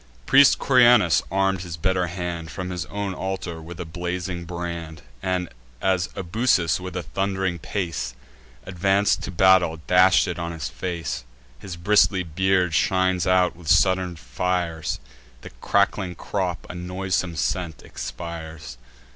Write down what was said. Priest Corynaeus, arm'd his better hand, From his own altar, with a blazing brand; And, as Ebusus with a thund'ring pace Advanc'd to battle, dash'd it on his face: His bristly beard shines out with sudden fires; The crackling crop a noisome scent expires.